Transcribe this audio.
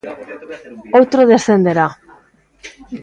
Outro descenderá.